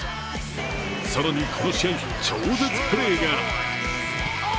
更にこの試合、超絶プレーが。